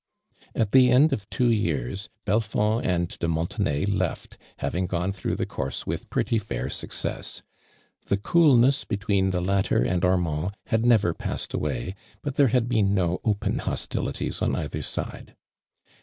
At tlieend of two years, Belfond and de Montenay left, having gone through the course with pretty fair success. 'Die cool ness between the latter aiid Armnnd had never passed away, but theie had been no open hostilities on either side.